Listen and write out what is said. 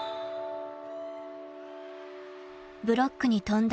［ブロックに跳んだ